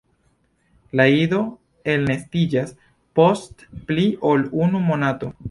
La ido elnestiĝas post pli ol unu monato.